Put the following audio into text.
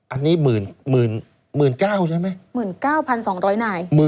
อันนี้๑๙๐๐๐ใช่ไหม